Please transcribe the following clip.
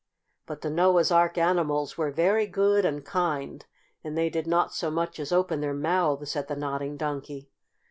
But the Noah's Ark animals were very good and kind, and they did not so much as open their mouths at the Nodding Donkey.